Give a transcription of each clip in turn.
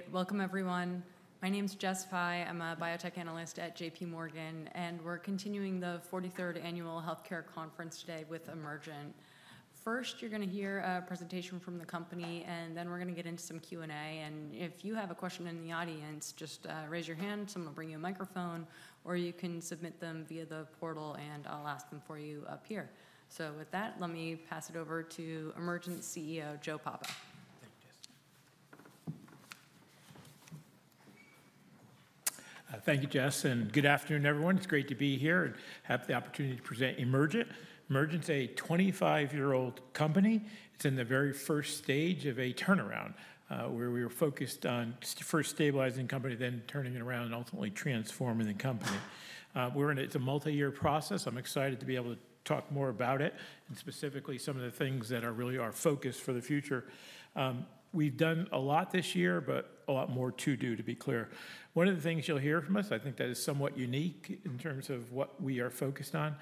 Great. Welcome, everyone. My name's Jess Fye. I'm a biotech analyst at J.P. Morgan, and we're continuing the 43rd Annual Healthcare Conference today with Emergent. First, you're going to hear a presentation from the company, and then we're going to get into some Q&A. And if you have a question in the audience, just raise your hand. Someone will bring you a microphone, or you can submit them via the portal, and I'll ask them for you up here. So with that, let me pass it over to Emergent's CEO, Joe Papa. Thank you, Jess. Thank you, Jess, and good afternoon, everyone. It's great to be here and have the opportunity to present Emergent. Emergent's a 25-year-old company. It's in the very first stage of a turnaround, where we were focused on first stabilizing the company, then turning it around and ultimately transforming the company. We're in a multi-year process. I'm excited to be able to talk more about it, and specifically some of the things that really are our focus for the future. We've done a lot this year, but a lot more to do, to be clear. One of the things you'll hear from us, I think that is somewhat unique in terms of what we are focused on.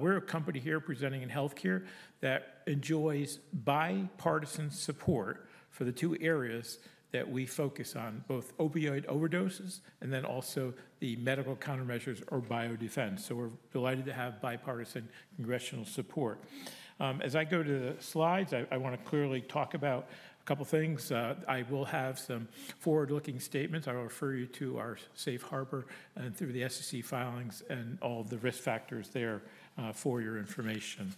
We're a company here presenting in healthcare that enjoys bipartisan support for the two areas that we focus on, both opioid overdoses and then also the medical countermeasures or biodefense. We're delighted to have bipartisan congressional support. As I go to the slides, I want to clearly talk about a couple of things. I will have some forward-looking statements. I will refer you to our safe harbor through the SEC filings and all of the risk factors there for your information.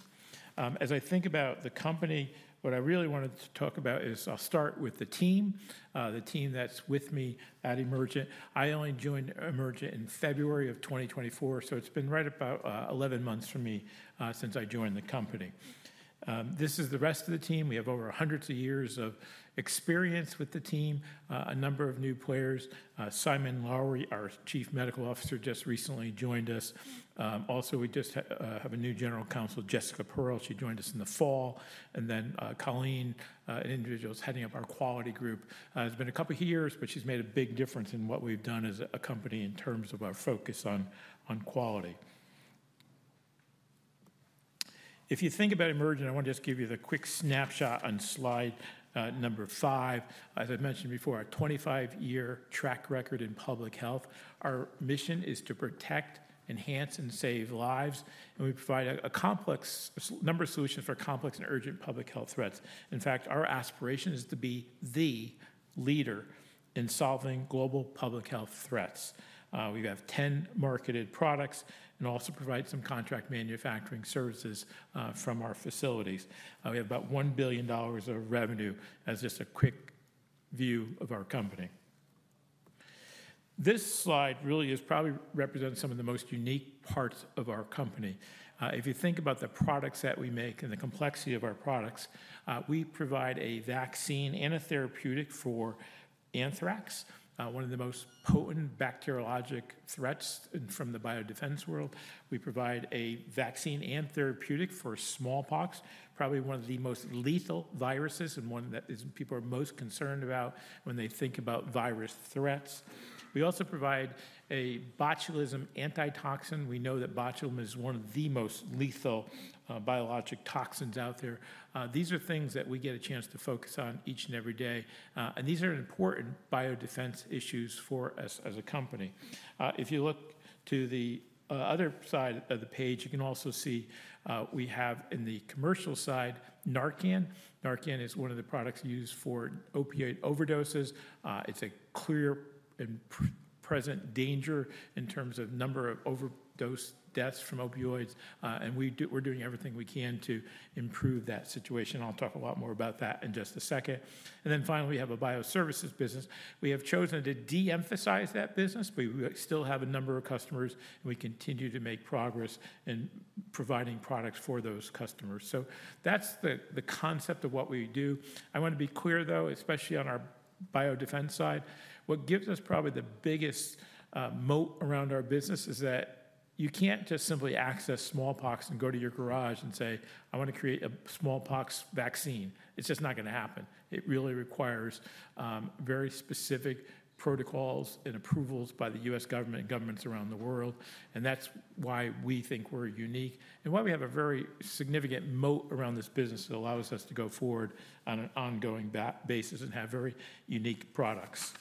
As I think about the company, what I really wanted to talk about is I'll start with the team, the team that's with me at Emergent. I only joined Emergent in February of 2024, so it's been right about 11 months for me since I joined the company. This is the rest of the team. We have over hundreds of years of experience with the team, a number of new players. Simon Lowery, our Chief Medical Officer, just recently joined us. Also, we just have a new General Counsel, Jessica Pearl. She joined us in the fall. And then Colleen, an individual who's heading up our quality group. It's been a couple of years, but she's made a big difference in what we've done as a company in terms of our focus on quality. If you think about Emergent, I want to just give you the quick snapshot on slide number five. As I mentioned before, our 25-year track record in public health. Our mission is to protect, enhance, and save lives. And we provide a number of solutions for complex and urgent public health threats. In fact, our aspiration is to be the leader in solving global public health threats. We have 10 marketed products and also provide some contract manufacturing services from our facilities. We have about $1 billion of revenue. That's just a quick view of our company. This slide really is probably representing some of the most unique parts of our company. If you think about the products that we make and the complexity of our products, we provide a vaccine and a therapeutic for anthrax, one of the most potent bacteriologic threats from the biodefense world. We provide a vaccine and therapeutic for smallpox, probably one of the most lethal viruses and one that people are most concerned about when they think about virus threats. We also provide a botulism antitoxin. We know that botulinum is one of the most lethal biologic toxins out there. These are things that we get a chance to focus on each and every day, and these are important biodefense issues for us as a company. If you look to the other side of the page, you can also see we have in the commercial side Narcan. Narcan is one of the products used for opioid overdoses. It's a clear and present danger in terms of number of overdose deaths from opioids. And we're doing everything we can to improve that situation. I'll talk a lot more about that in just a second. And then finally, we have a bioservices business. We have chosen to de-emphasize that business, but we still have a number of customers, and we continue to make progress in providing products for those customers. So that's the concept of what we do. I want to be clear, though, especially on our biodefense side. What gives us probably the biggest moat around our business is that you can't just simply access smallpox and go to your garage and say, "I want to create a smallpox vaccine." It's just not going to happen. It really requires very specific protocols and approvals by the U.S. government and governments around the world. And that's why we think we're unique and why we have a very significant moat around this business that allows us to go forward on an ongoing basis and have very unique products.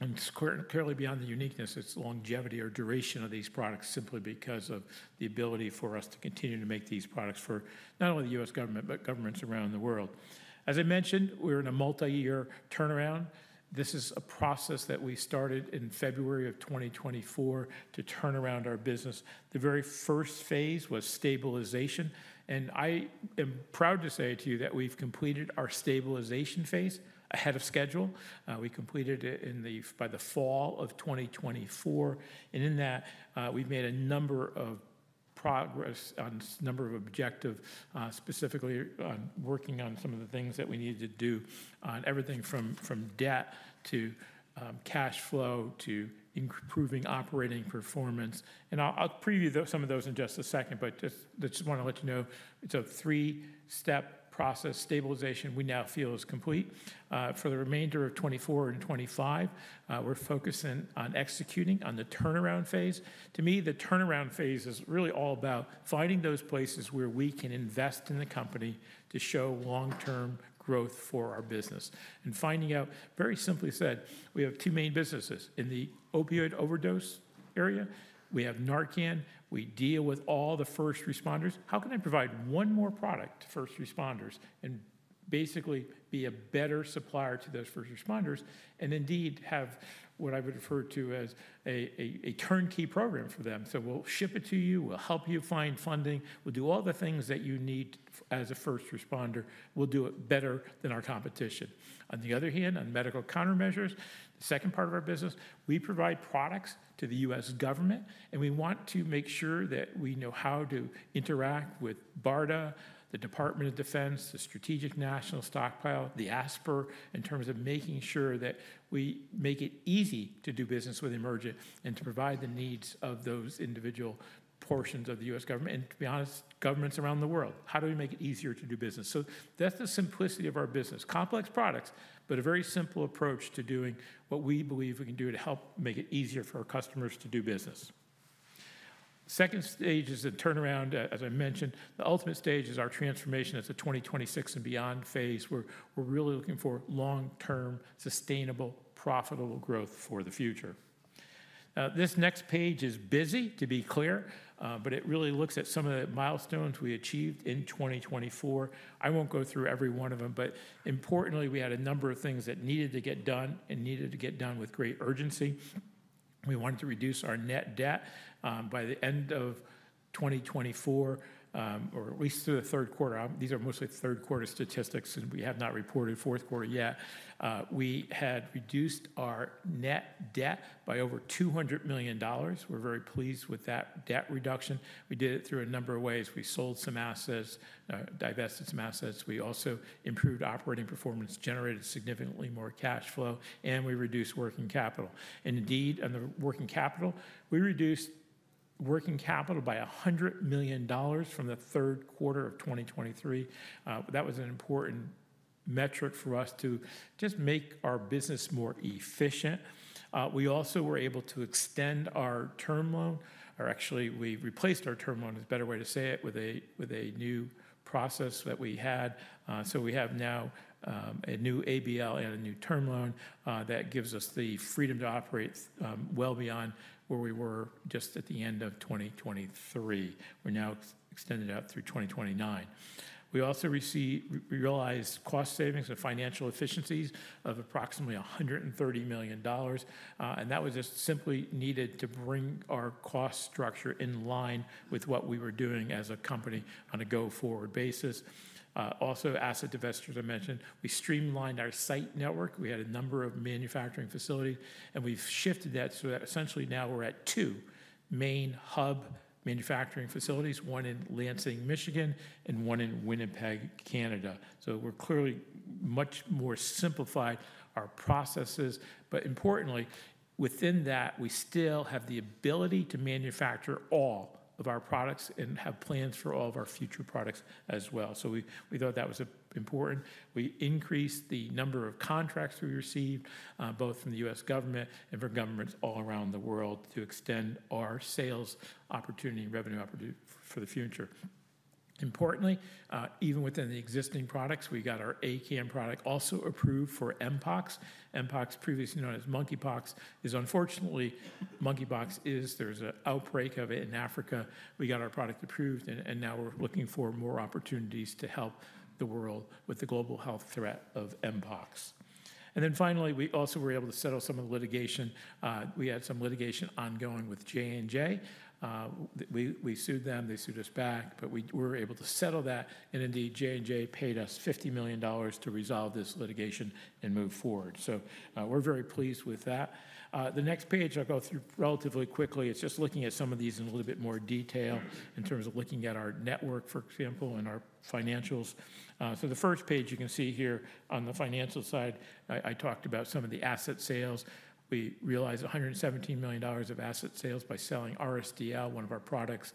And it's clearly beyond the uniqueness. It's longevity or duration of these products simply because of the ability for us to continue to make these products for not only the U.S. government, but governments around the world. As I mentioned, we're in a multi-year turnaround. This is a process that we started in February of 2024 to turn around our business. The very first phase was stabilization. And I am proud to say to you that we've completed our stabilization phase ahead of schedule. We completed it by the fall of 2024. And in that, we've made a number of progress on a number of objectives, specifically on working on some of the things that we needed to do on everything from debt to cash flow to improving operating performance. And I'll preview some of those in just a second, but just want to let you know it's a three-step process. Stabilization we now feel is complete. For the remainder of 2024 and 2025, we're focusing on executing on the turnaround phase. To me, the turnaround phase is really all about finding those places where we can invest in the company to show long-term growth for our business. And finding out, very simply said, we have two main businesses in the opioid overdose area. We have Narcan. We deal with all the first responders. How can I provide one more product to first responders and basically be a better supplier to those first responders and indeed have what I would refer to as a turnkey program for them? So we'll ship it to you. We'll help you find funding. We'll do all the things that you need as a first responder. We'll do it better than our competition. On the other hand, on medical countermeasures, the second part of our business, we provide products to the U.S. government, and we want to make sure that we know how to interact with BARDA, the Department of Defense, the Strategic National Stockpile, the ASPR, in terms of making sure that we make it easy to do business with Emergent and to provide the needs of those individual portions of the U.S. government and, to be honest, governments around the world. How do we make it easier to do business? So that's the simplicity of our business. Complex products, but a very simple approach to doing what we believe we can do to help make it easier for our customers to do business. The second stage is a turnaround, as I mentioned. The ultimate stage is our transformation as a 2026 and beyond phase, where we're really looking for long-term, sustainable, profitable growth for the future. Now, this next page is busy, to be clear, but it really looks at some of the milestones we achieved in 2024. I won't go through every one of them, but importantly, we had a number of things that needed to get done and needed to get done with great urgency. We wanted to reduce our net debt by the end of 2024, or at least through the third quarter. These are mostly third-quarter statistics, and we have not reported fourth quarter yet. We had reduced our net debt by over $200 million. We're very pleased with that debt reduction. We did it through a number of ways. We sold some assets, divested some assets. We also improved operating performance, generated significantly more cash flow, and we reduced working capital, and indeed, on the working capital, we reduced working capital by $100 million from the third quarter of 2023. That was an important metric for us to just make our business more efficient. We also were able to extend our term loan, or actually, we replaced our term loan, is a better way to say it, with a new process that we had. We have now a new ABL and a new term loan that gives us the freedom to operate well beyond where we were just at the end of 2023. We're now extended out through 2029. We also realized cost savings and financial efficiencies of approximately $130 million. That was just simply needed to bring our cost structure in line with what we were doing as a company on a go-forward basis. Asset divestitures, I mentioned. We streamlined our site network. We had a number of manufacturing facilities, and we've shifted that so that essentially now we're at two main hub manufacturing facilities, one in Lansing, Michigan, and one in Winnipeg, Canada. We're clearly much more simplified our processes. But importantly, within that, we still have the ability to manufacture all of our products and have plans for all of our future products as well. We thought that was important. We increased the number of contracts we received, both from the U.S. government and from governments all around the world, to extend our sales opportunity and revenue opportunity for the future. Importantly, even within the existing products, we got our ACAM product also approved for Mpox. Mpox, previously known as Monkeypox, is unfortunately. There's an outbreak of it in Africa. We got our product approved, and now we're looking for more opportunities to help the world with the global health threat of Mpox. Then finally, we also were able to settle some of the litigation. We had some litigation ongoing with J&J. We sued them. They sued us back, but we were able to settle that. And indeed, J&J paid us $50 million to resolve this litigation and move forward. We're very pleased with that. The next page I'll go through relatively quickly. It's just looking at some of these in a little bit more detail in terms of looking at our network, for example, and our financials. So the first page you can see here on the financial side, I talked about some of the asset sales. We realized $117 million of asset sales by selling RSDL, one of our products.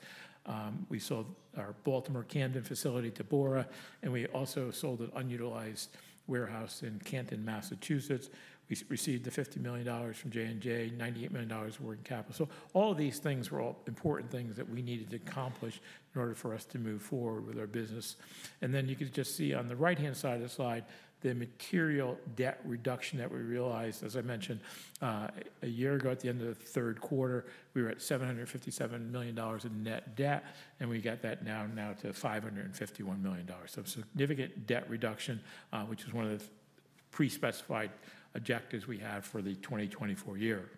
We sold our Baltimore-Camden facility to Bora, and we also sold an unutilized warehouse in Canton, Massachusetts. We received the $50 million from J&J. $98 million were in capital. So all of these things were all important things that we needed to accomplish in order for us to move forward with our business. You can just see on the right-hand side of the slide the material debt reduction that we realized. As I mentioned, a year ago at the end of the third quarter, we were at $757 million in net debt, and we got that now to $551 million. Significant debt reduction, which is one of the pre-specified objectives we have for the 2024 year.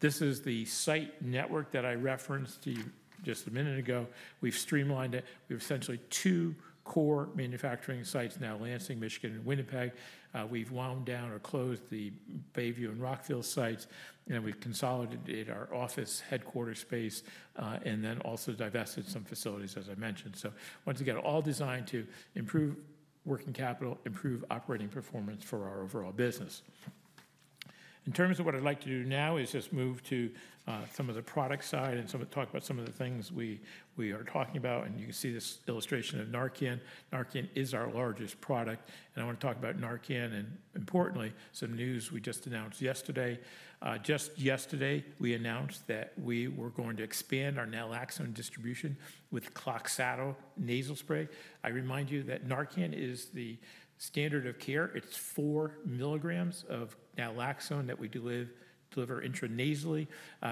This is the site network that I referenced to you just a minute ago. We have streamlined it. We have essentially two core manufacturing sites now, Lansing, Michigan, and Winnipeg. We have wound down or closed the Bayview and Rockville sites, and we have consolidated our office headquarter space and then also divested some facilities, as I mentioned. Once again, all designed to improve working capital, improve operating performance for our overall business. In terms of what I'd like to do now is just move to some of the product side and talk about some of the things we are talking about. And you can see this illustration of Narcan. Narcan is our largest product. And I want to talk about Narcan and, importantly, some news we just announced yesterday. Just yesterday, we announced that we were going to expand our naloxone distribution with Kloxxado nasal spray. I remind you that Narcan is the standard-of-care. It's four milligrams of naloxone that we deliver intranasally.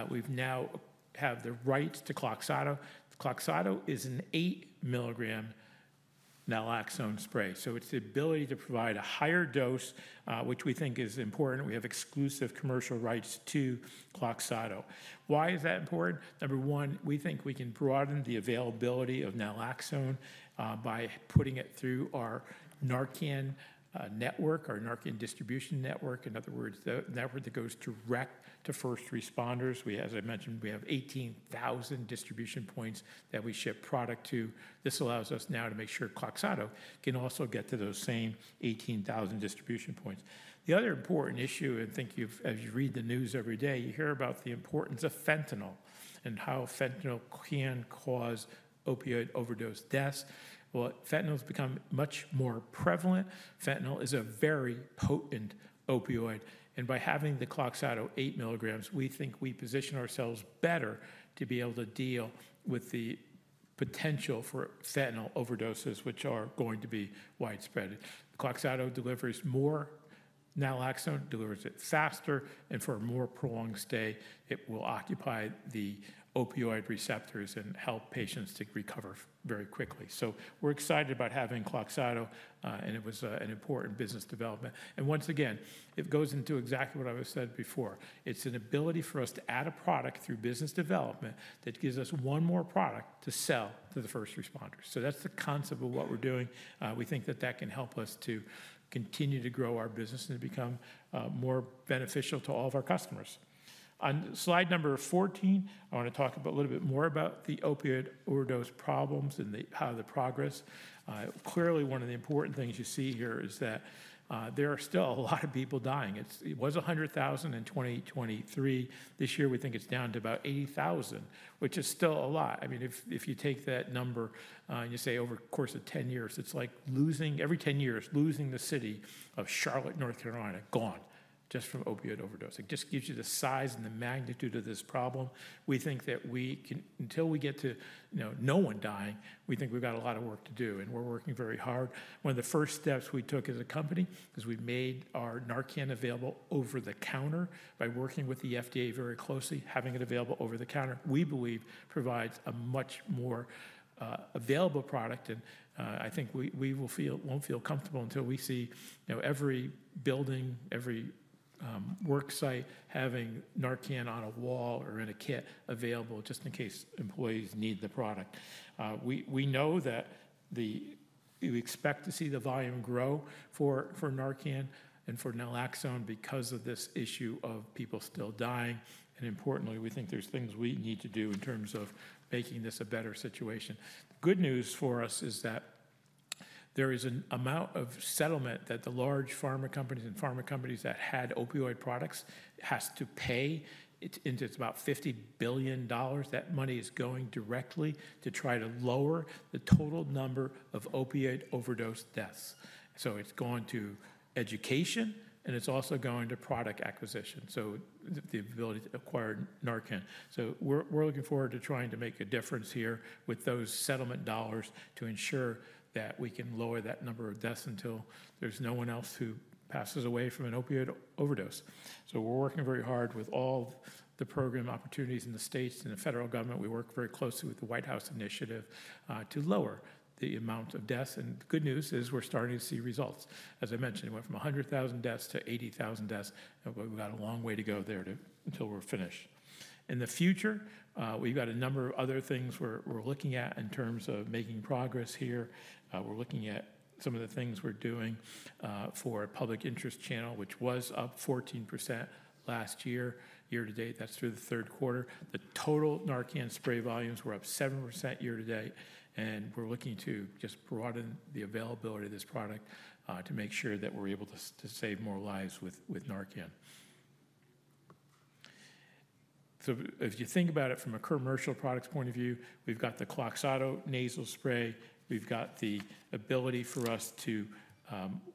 We now have the rights to Kloxxado. Kloxxado is an eight milligram naloxone spray. So it's the ability to provide a higher dose, which we think is important. We have exclusive commercial rights to Kloxxado. Why is that important? Number one, we think we can broaden the availability of naloxone by putting it through our Narcan network, our Narcan distribution network. In other words, the network that goes direct to first responders. As I mentioned, we have 18,000 distribution points that we ship product to. This allows us now to make sure Kloxxado can also get to those same 18,000 distribution points. The other important issue, and I think as you read the news every day, you hear about the importance of fentanyl and how fentanyl can cause opioid overdose deaths. Well, fentanyl has become much more prevalent. Fentanyl is a very potent opioid. And by having the Kloxxado eight milligrams, we think we position ourselves better to be able to deal with the potential for fentanyl overdoses, which are going to be widespread. Kloxxado delivers more naloxone, delivers it faster, and for a more prolonged stay, it will occupy the opioid receptors and help patients to recover very quickly, so we're excited about having Kloxxado, and it was an important business development, and once again, it goes into exactly what I said before. It's an ability for us to add a product through business development that gives us one more product to sell to the first responders, so that's the concept of what we're doing. We think that that can help us to continue to grow our business and to become more beneficial to all of our customers. On slide number 14, I want to talk a little bit more about the opioid overdose problems and how the progress. Clearly, one of the important things you see here is that there are still a lot of people dying. It was 100,000 in 2023. This year, we think it's down to about 80,000, which is still a lot. I mean, if you take that number and you say over the course of 10 years, it's like losing every 10 years, losing the city of Charlotte, North Carolina, gone just from opioid overdosing. Just gives you the size and the magnitude of this problem. We think that until we get to no one dying, we think we've got a lot of work to do, and we're working very hard. One of the first steps we took as a company, because we've made our Narcan available over-the-counter by working with the FDA very closely, having it available over-the-counter, we believe provides a much more available product. I think we won't feel comfortable until we see every building, every work site having Narcan on a wall or in a kit available just in case employees need the product. We know that we expect to see the volume grow for Narcan and for naloxone because of this issue of people still dying. Importantly, we think there's things we need to do in terms of making this a better situation. The good news for us is that there is an amount of settlement that the large pharma companies and pharma companies that had opioid products have to pay. It's about $50 billion. That money is going directly to try to lower the total number of opioid overdose deaths. It's going to education, and it's also going to product acquisition, so the ability to acquire Narcan. So we're looking forward to trying to make a difference here with those settlement dollars to ensure that we can lower that number of deaths until there's no one else who passes away from an opioid overdose. So we're working very hard with all the program opportunities in the states and the federal government. We work very closely with the White House initiative to lower the amount of deaths. And the good news is we're starting to see results. As I mentioned, it went from 100,000 deaths to 80,000 deaths. We've got a long way to go there until we're finished. In the future, we've got a number of other things we're looking at in terms of making progress here. We're looking at some of the things we're doing for a public interest channel, which was up 14% last year. Year to date, that's through the third quarter. The total Narcan spray volumes were up 7% year to date, and we're looking to just broaden the availability of this product to make sure that we're able to save more lives with Narcan. So if you think about it from a commercial product's point of view, we've got the Kloxxado nasal spray. We've got the ability for us to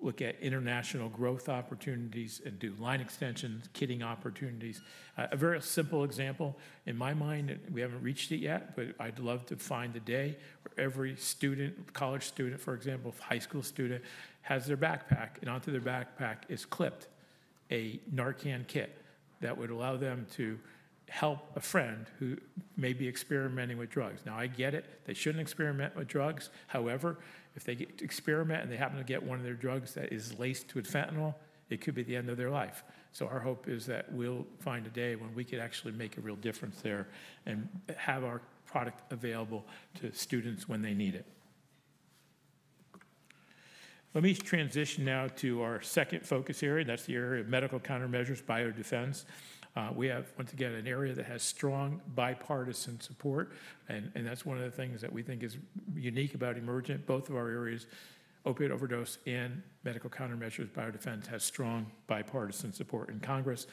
look at international growth opportunities and do line extensions, kitting opportunities. A very simple example, in my mind, we haven't reached it yet, but I'd love to find the day where every student, college student, for example, if a high school student has their backpack and onto their backpack is clipped a Narcan kit that would allow them to help a friend who may be experimenting with drugs. Now, I get it. They shouldn't experiment with drugs. However, if they experiment and they happen to get one of their drugs that is laced with fentanyl, it could be the end of their life. So our hope is that we'll find a day when we could actually make a real difference there and have our product available to students when they need it. Let me transition now to our second focus area, and that's the area of Medical Countermeasures, biodefense. We have, once again, an area that has strong bipartisan support, and that's one of the things that we think is unique about Emergent both of our areas, opioid overdose and Medical Countermeasures, biodefense, has strong bipartisan support in Congress.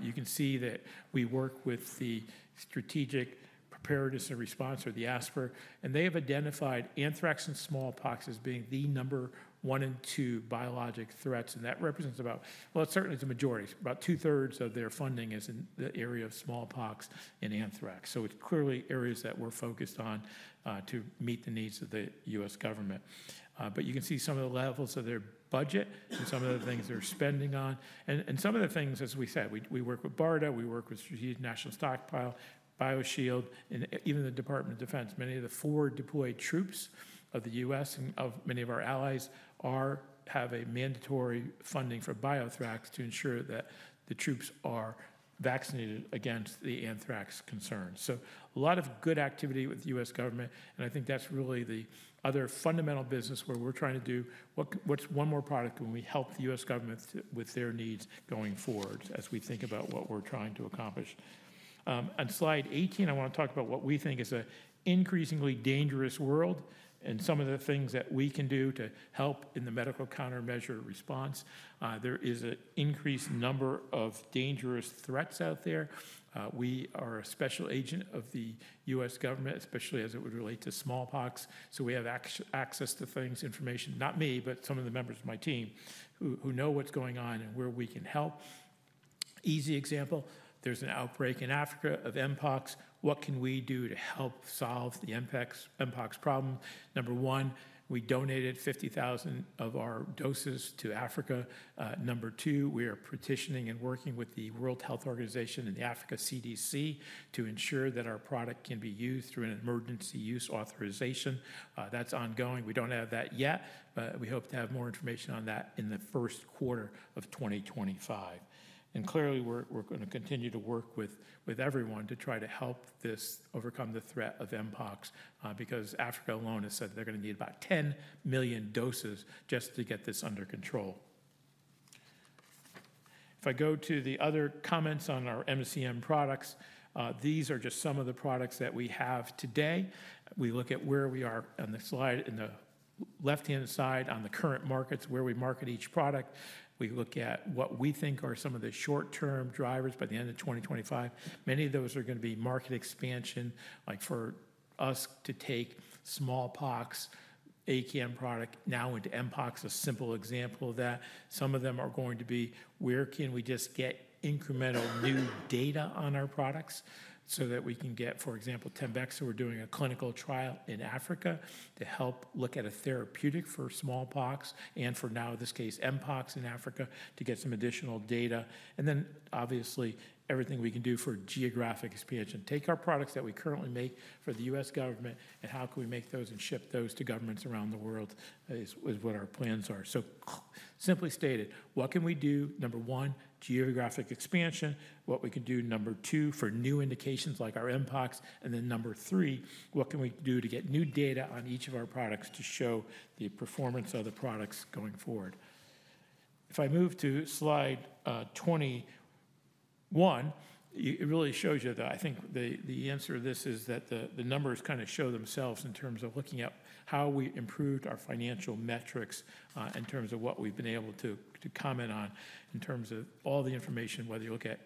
You can see that we work with the Strategic Preparedness and Response, or the ASPR, and they have identified anthrax and smallpox as being the number one and two biologic threats. And that represents about, well, certainly it's a majority. About two-thirds of their funding is in the area of smallpox and anthrax. So it's clearly areas that we're focused on to meet the needs of the U.S. government. But you can see some of the levels of their budget and some of the things they're spending on. And some of the things, as we said, we work with BARDA, we work with Strategic National Stockpile, BioShield, and even the Department of Defense. Many of the forward deployed troops of the U.S. and of many of our allies have a mandatory funding for BioThrax to ensure that the troops are vaccinated against the anthrax concerns. So a lot of good activity with the U.S. government, and I think that's really the other fundamental business where we're trying to do one more product when we help the U.S. government with their needs going forward as we think about what we're trying to accomplish. On slide 18, I want to talk about what we think is an increasingly dangerous world and some of the things that we can do to help in the medical countermeasure response. There is an increased number of dangerous threats out there. We are a special agent of the U.S. government, especially as it would relate to smallpox. So we have access to things, information, not me, but some of the members of my team who know what's going on and where we can help. Easy example, there's an outbreak in Africa of Mpox. What can we do to help solve the Mpox problem? Number one, we donated 50,000 of our doses to Africa. Number two, we are petitioning and working with the World Health Organization and the Africa CDC to ensure that our product can be used through an emergency use authorization. That's ongoing. We don't have that yet, but we hope to have more information on that in the first quarter of 2025, and clearly, we're going to continue to work with everyone to try to help this overcome the threat of Mpox because Africa alone has said they're going to need about 10 million doses just to get this under control. If I go to the other comments on our MCM products, these are just some of the products that we have today. We look at where we are on the slide in the left-hand side on the current markets, where we market each product. We look at what we think are some of the short-term drivers by the end of 2025. Many of those are going to be market expansion, like for us to take smallpox ACAM product now into Mpox, a simple example of that. Some of them are going to be where can we just get incremental new data on our products so that we can get, for example, Tembexa. We're doing a clinical trial in Africa to help look at a therapeutic for smallpox and for now, in this case, Mpox in Africa to get some additional data. And then, obviously, everything we can do for geographic expansion. Take our products that we currently make for the U.S. government and how can we make those and ship those to governments around the world is what our plans are. So simply stated, what can we do? Number one, geographic expansion, what we can do. Number two, for new indications like our Mpox. And then number three, what can we do to get new data on each of our products to show the performance of the products going forward? If I move to slide 21, it really shows you that I think the answer to this is that the numbers kind of show themselves in terms of looking at how we improved our financial metrics in terms of what we've been able to comment on in terms of all the information, whether you look at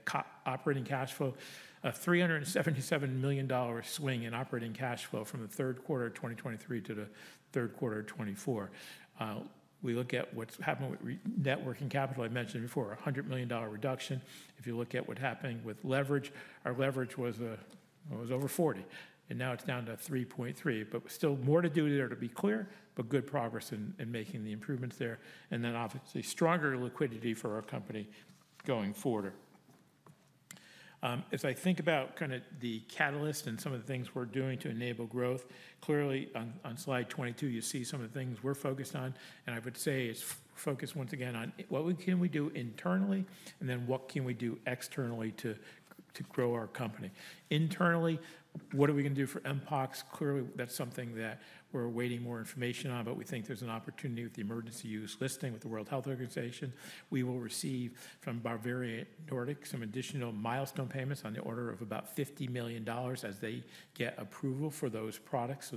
operating cash flow, a $377 million swing in operating cash flow from the third quarter of 2023 to the third quarter of 2024. We look at what's happened with net working capital. I mentioned before, a $100 million reduction. If you look at what happened with leverage, our leverage was over 40, and now it's down to 3.3. But still more to do there, to be clear, but good progress in making the improvements there. And then, obviously, stronger liquidity for our company going forward. As I think about kind of the catalyst and some of the things we're doing to enable growth, clearly on slide 22, you see some of the things we're focused on. And I would say it's focused once again on what can we do internally and then what can we do externally to grow our company. Internally, what are we going to do for Mpox? Clearly, that's something that we're awaiting more information on, but we think there's an opportunity with the emergency use listing with the World Health Organization. We will receive from Bavarian Nordic some additional milestone payments on the order of about $50 million as they get approval for those products. So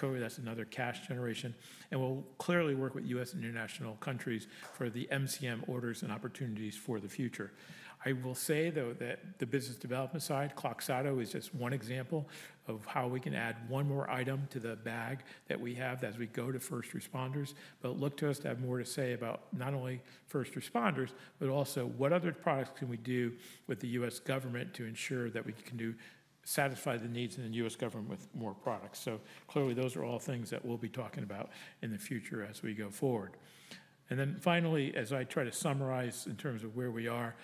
that's another cash generation. And we'll clearly work with U.S. and international countries for the MCM orders and opportunities for the future. I will say, though, that the business development side, Kloxxado is just one example of how we can add one more item to the bag that we have as we go to first responders. But look to us to have more to say about not only first responders, but also what other products can we do with the U.S. government to ensure that we can satisfy the needs in the U.S. government with more products. So clearly, those are all things that we'll be talking about in the future as we go forward. And then finally, as I try to summarize in terms of where we are,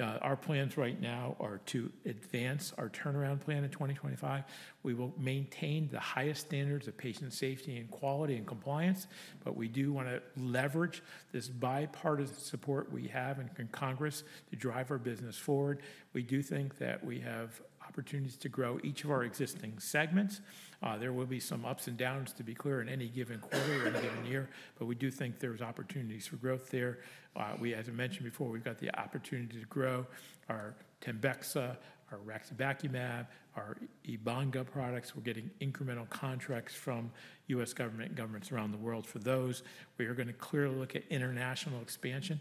our plans right now are to advance our turnaround plan in 2025. We will maintain the highest standards of patient safety and quality and compliance, but we do want to leverage this bipartisan support we have in Congress to drive our business forward. We do think that we have opportunities to grow each of our existing segments. There will be some ups and downs, to be clear, in any given quarter or any given year, but we do think there's opportunities for growth there. We, as I mentioned before, we've got the opportunity to grow our Tembexa, our Raxibacumab, our Ebanga products. We're getting incremental contracts from U.S. government and governments around the world for those. We are going to clearly look at international expansion.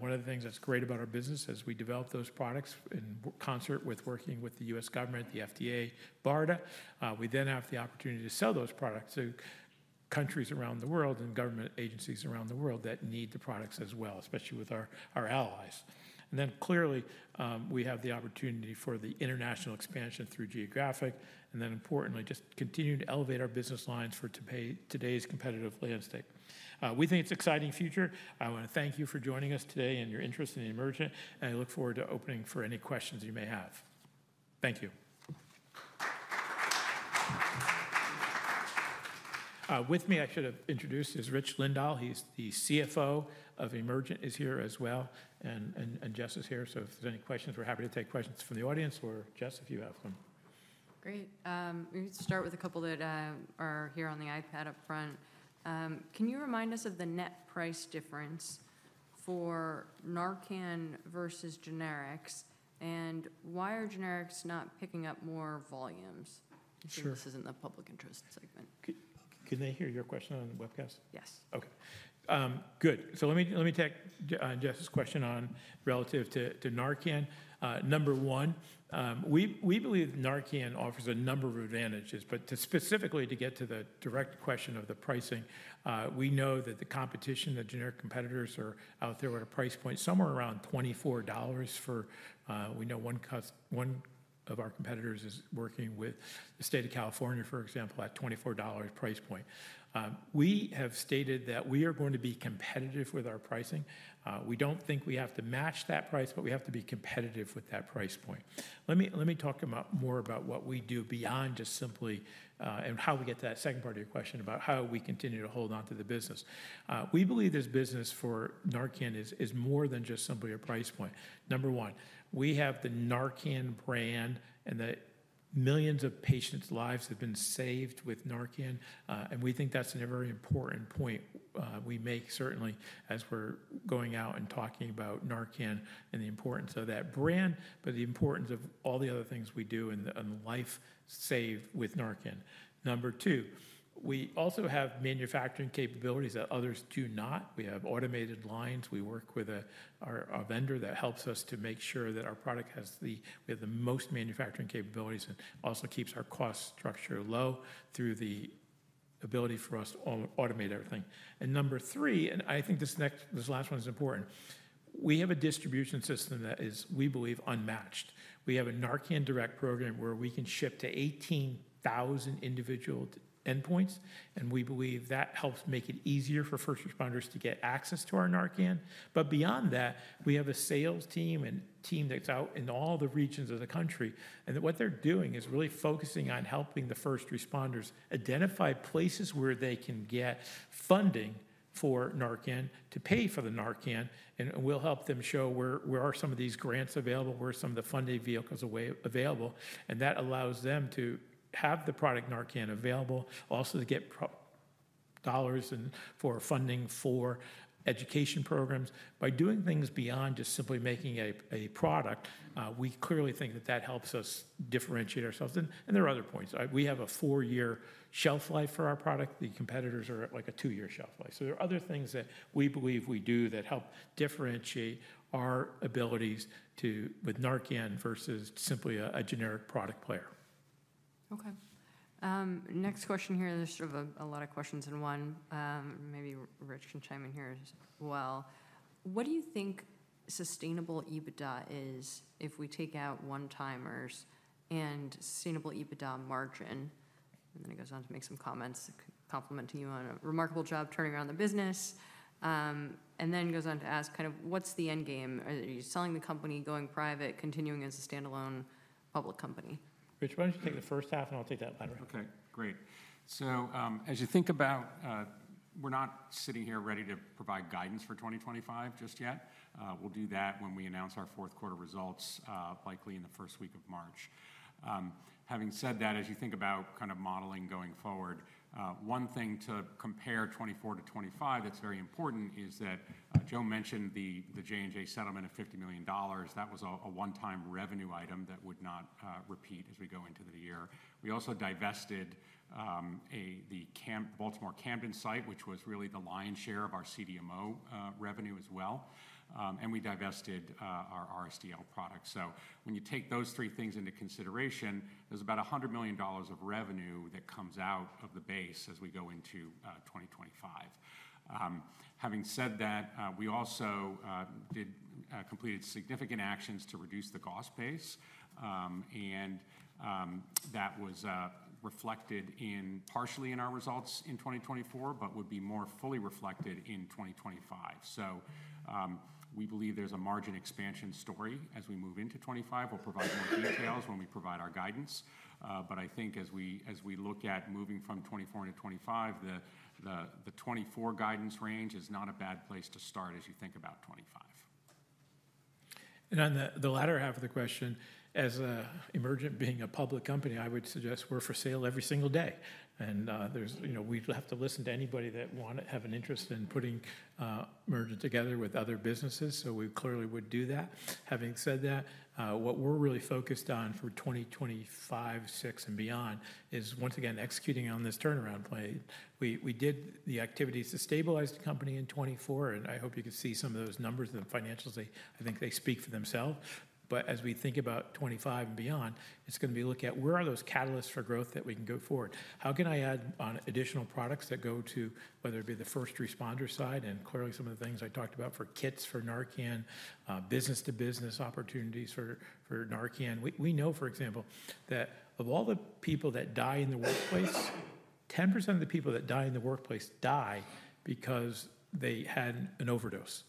One of the things that's great about our business as we develop those products in concert with working with the U.S. government, the FDA, BARDA, we then have the opportunity to sell those products to countries around the world and government agencies around the world that need the products as well, especially with our allies, and then clearly, we have the opportunity for the international expansion through geographic, and then importantly, just continue to elevate our business lines for today's competitive landscape. We think it's an exciting future. I want to thank you for joining us today and your interest in Emergent, and I look forward to opening for any questions you may have. Thank you. With me, I should have introduced is Rich Lindahl. He's the CFO of Emergent, is here as well, and Jess is here. So if there's any questions, we're happy to take questions from the audience or Jess, if you have them. Great. We need to start with a couple that are here on the iPad up front. Can you remind us of the net price difference for Narcan versus generics? And why are generics not picking up more volumes? Sure. This isn't the public interest segment. Can I hear your question on webcast? Yes. Okay. Good. So let me take Jess's question on, relative to Narcan. Number one, we believe Narcan offers a number of advantages, but specifically to get to the direct question of the pricing, we know that the competition, the generic competitors are out there at a price point somewhere around $24 for we know one of our competitors is working with the state of California, for example, at a $24 price point. We have stated that we are going to be competitive with our pricing. We don't think we have to match that price, but we have to be competitive with that price point. Let me talk more about what we do beyond just simply and how we get to that second part of your question about how we continue to hold on to the business. We believe there's business for Narcan is more than just simply a price point. Number one, we have the Narcan brand and the millions of patients' lives have been saved with Narcan, and we think that's a very important point. We make certainly as we're going out and talking about Narcan and the importance of that brand, but the importance of all the other things we do and the life saved with Narcan. Number two, we also have manufacturing capabilities that others do not. We have automated lines. We work with our vendor that helps us to make sure that our product has the most manufacturing capabilities and also keeps our cost structure low through the ability for us to automate everything. Number three, and I think this last one is important. We have a distribution system that is, we believe, unmatched. We have a Narcan Direct program where we can ship to 18,000 individual endpoints, and we believe that helps make it easier for first responders to get access to our Narcan. But beyond that, we have a sales team and team that's out in all the regions of the country. And what they're doing is really focusing on helping the first responders identify places where they can get funding for Narcan to pay for the Narcan. And we'll help them show where are some of these grants available, where are some of the funding vehicles available. And that allows them to have the product Narcan available, also to get dollars for funding for education programs. By doing things beyond just simply making a product, we clearly think that that helps us differentiate ourselves. And there are other points. We have a four-year shelf life for our product. The competitors are at like a two-year shelf life. So there are other things that we believe we do that help differentiate our abilities with Narcan versus simply a generic product player. Okay. Next question here. There's sort of a lot of questions in one. Maybe Rich can chime in here as well. What do you think sustainable EBITDA is if we take out one-timers and sustainable EBITDA margin? And then it goes on to make some comments complimenting you on a remarkable job turning around the business. And then it goes on to ask kind of what's the end game? Are you selling the company, going private, continuing as a standalone public company? Rich, why don't you take the first half and I'll take the latter. Okay. Great. So as you think about, we're not sitting here ready to provide guidance for 2025 just yet. We'll do that when we announce our fourth quarter results, likely in the first week of March. Having said that, as you think about kind of modeling going forward, one thing to compare 2024 to 2025 that's very important is that Joe mentioned the J&J settlement of $50 million. That was a one-time revenue item that would not repeat as we go into the year. We also divested the Baltimore-Camden site, which was really the lion's share of our CDMO revenue as well. And we divested our RSDL products. So when you take those three things into consideration, there's about $100 million of revenue that comes out of the base as we go into 2025. Having said that, we also completed significant actions to reduce the cost base. And that was reflected partially in our results in 2024, but would be more fully reflected in 2025. So we believe there's a margin expansion story as we move into 2025. We'll provide more details when we provide our guidance. But I think as we look at moving from 2024 into 2025, the 2024 guidance range is not a bad place to start as you think about 2025. And on the latter half of the question, as Emergent being a public company, I would suggest we're for sale every single day. And we'd have to listen to anybody that want to have an interest in putting Emergent together with other businesses. So we clearly would do that. Having said that, what we're really focused on for 2025, 2026, and beyond is, once again, executing on this turnaround plan. We did the activities to stabilize the company in 2024, and I hope you can see some of those numbers and the financials. I think they speak for themselves. But as we think about 2025 and beyond, it's going to be looking at where are those catalysts for growth that we can go forward? How can I add on additional products that go to whether it be the first responder side? And clearly, some of the things I talked about for kits for Narcan, business-to-business opportunities for Narcan. We know, for example, that of all the people that die in the workplace, 10% of the people that die in the workplace die because they had an overdose.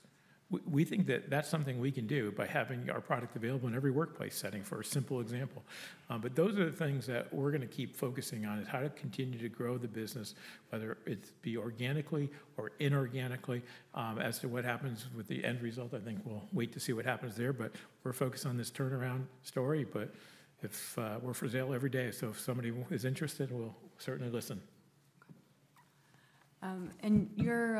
We think that that's something we can do by having our product available in every workplace setting, for a simple example. But those are the things that we're going to keep focusing on is how to continue to grow the business, whether it be organically or inorganically. As to what happens with the end result, I think we'll wait to see what happens there, but we're focused on this turnaround story. But we're for sale every day. So if somebody is interested, we'll certainly listen. And your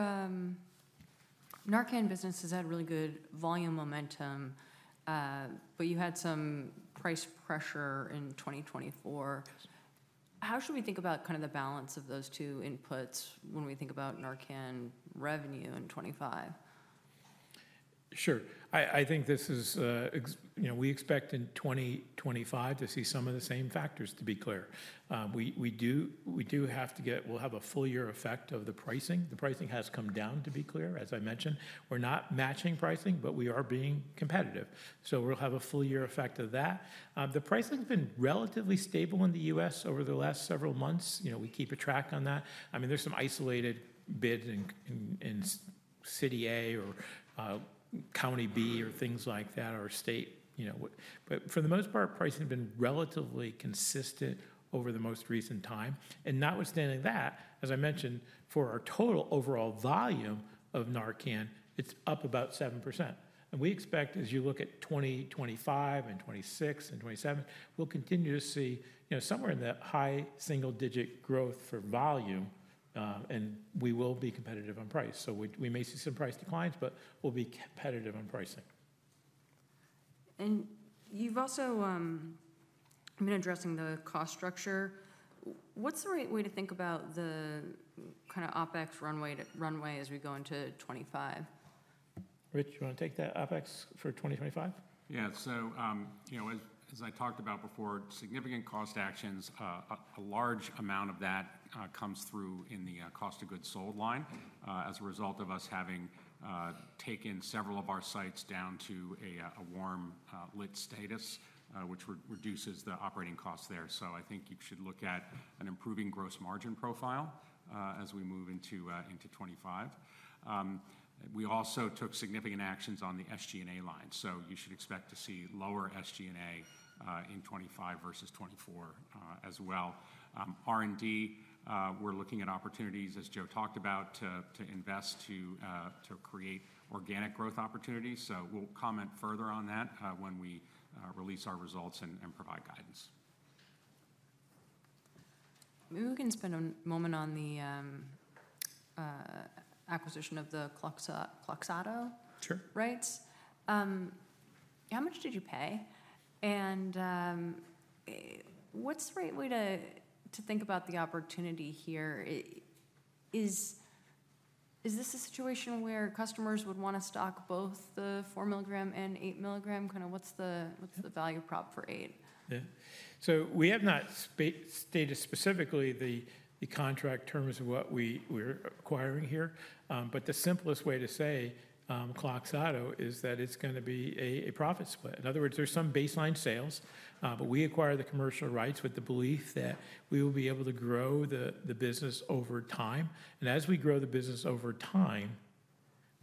Narcan business has had really good volume momentum, but you had some price pressure in 2024. How should we think about kind of the balance of those two inputs when we think about Narcan revenue in 2025? Sure. I think this is we expect in 2025 to see some of the same factors, to be clear. We do have to get we'll have a full year effect of the pricing. The pricing has come down, to be clear. As I mentioned, we're not matching pricing, but we are being competitive. So we'll have a full year effect of that. The pricing has been relatively stable in the U.S. over the last several months. We keep a track on that. I mean, there's some isolated bids in City A or County B or things like that or state. But for the most part, pricing has been relatively consistent over the most recent time. Notwithstanding that, as I mentioned, for our total overall volume of Narcan, it's up about 7%. We expect, as you look at 2025 and 2026 and 2027, we'll continue to see somewhere in the high single-digit growth for volume, and we will be competitive on price. We may see some price declines, but we'll be competitive on pricing. You've also been addressing the cost structure. What's the right way to think about the kind of OPEX runway as we go into 2025? Rich, you want to take that OPEX for 2025? Yeah. As I talked about before, significant cost actions, a large amount of that comes through in the cost of goods sold line as a result of us having taken several of our sites down to a warm lit status, which reduces the operating costs there. I think you should look at an improving gross margin profile as we move into 2025. We also took significant actions on the SG&A line. You should expect to see lower SG&A in 2025 versus 2024 as well. R&D, we're looking at opportunities, as Joe talked about, to invest to create organic growth opportunities. We'll comment further on that when we release our results and provide guidance. We've even spent a moment on the acquisition of the Kloxxado rights. How much did you pay? And what's the right way to think about the opportunity here? Is this a situation where customers would want to stock both the four milligram and eight milligram? Kind of what's the value prop for eight? Yeah. We have not stated specifically the contract terms of what we're acquiring here. But the simplest way to say Kloxxado is that it's going to be a profit split. In other words, there's some baseline sales, but we acquire the commercial rights with the belief that we will be able to grow the business over time. And as we grow the business over time,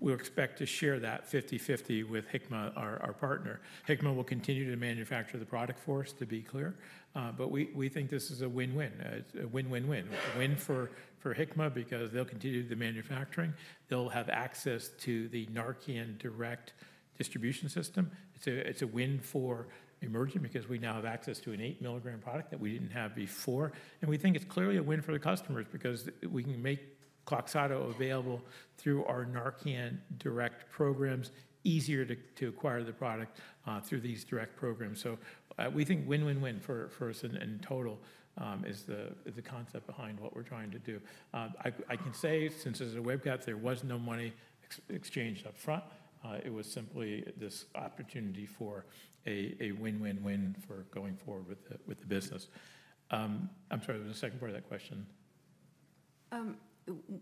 we'll expect to share that 50/50 with Hikma, our partner. Hikma will continue to manufacture the product for us, to be clear. But we think this is a win-win, a win-win-win, a win for Hikma because they'll continue the manufacturing. They'll have access to the Narcan Direct distribution system. It's a win for Emergent because we now have access to an eight milligram product that we didn't have before. And we think it's clearly a win for the customers because we can make Kloxxado available through our Narcan Direct programs, easier to acquire the product through these direct programs. So we think win-win-win for us in total is the concept behind what we're trying to do. I can say, since as a webcast, there was no money exchanged upfront. It was simply this opportunity for a win-win-win for going forward with the business. I'm sorry, there was a second part of that question.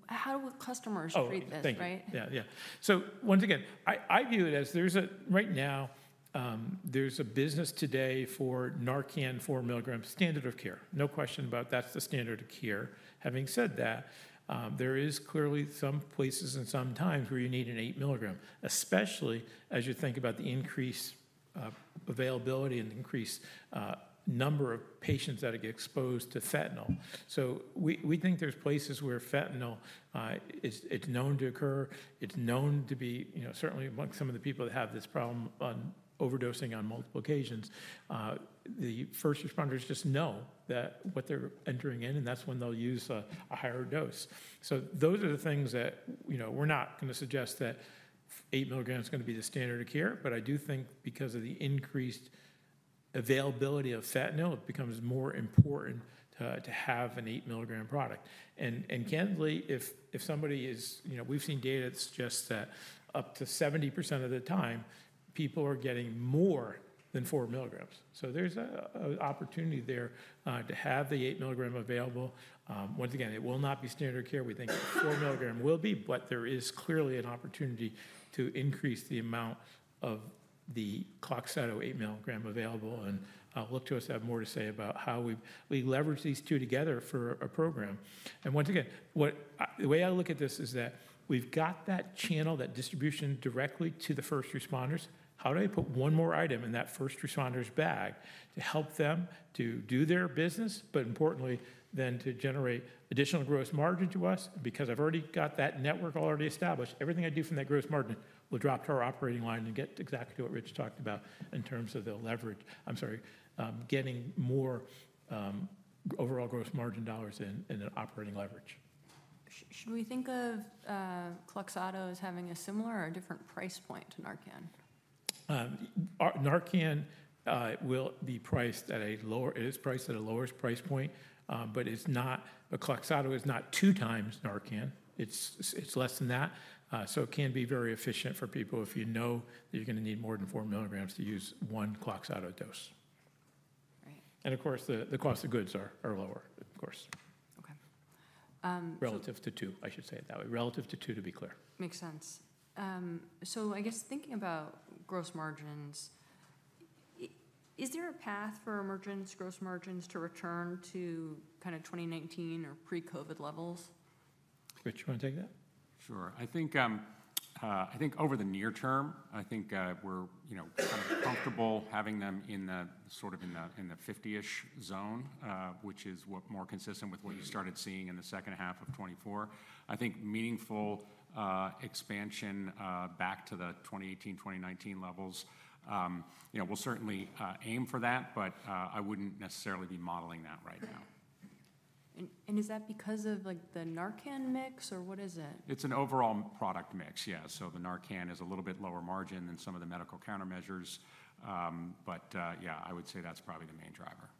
How will customers treat this, right? Yeah, yeah. So once again, I view it as right now, there's a business today for Narcan four milligram standard-of-care. No question about that's the standard-of-care. Having said that, there is clearly some places and some times where you need an eight milligram, especially as you think about the increased availability and increased number of patients that get exposed to fentanyl. So we think there's places where fentanyl is known to occur. It's known to be certainly among some of the people that have this problem on overdosing on multiple occasions. The first responders just know that what they're entering in, and that's when they'll use a higher dose. So those are the things that we're not going to suggest that 8 milligram is going to be the standard-of-care. But I do think because of the increased availability of fentanyl, it becomes more important to have an 8 milligram product. And candidly, we've seen data that suggests that up to 70% of the time, people are getting more than 4 milligrams. So there's an opportunity there to have the 8 milligram available. Once again, it will not be standard-of-care. We think 4 milligram will be, but there is clearly an opportunity to increase the amount of the Kloxxado 8 milligram available. Look to us to have more to say about how we leverage these two together for a program. Once again, the way I look at this is that we've got that channel, that distribution directly to the first responders. How do I put one more item in that first responder's bag to help them to do their business, but importantly, then to generate additional gross margin to us? Because I've already got that network already established, everything I do from that gross margin will drop to our operating line and get exactly what Rich talked about in terms of the leverage. I'm sorry, getting more overall gross margin dollars in an operating leverage. Should we think of Kloxxado as having a similar or a different price point to Narcan? Narcan will be priced at a lower price point, but Kloxxado is not two times Narcan. It's less than that. So it can be very efficient for people if you know that you're going to need more than four milligrams to use one Kloxxado dose. And of course, the cost of goods are lower, of course, relative to two. I should say it that way, relative to two, to be clear. Makes sense. So I guess thinking about gross margins, is there a path for Emergent's gross margins to return to kind of 2019 or pre-COVID levels? Rich, you want to take that? Sure. I think over the near term, I think we're comfortable having them sort of in the 50-ish zone, which is more consistent with what you started seeing in the second half of 2024. I think meaningful expansion back to the 2018, 2019 levels will certainly aim for that, but I wouldn't necessarily be modeling that right now. And is that because of the Narcan mix or what is it? It's an overall product mix, yeah. So the Narcan is a little bit lower margin than some of the medical countermeasures. But yeah, I would say that's probably the main driver.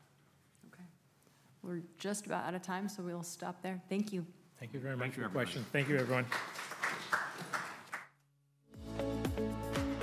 Okay. We're just about out of time, so we'll stop there. Thank you. Thank you very much for your question. Thank you, everyone.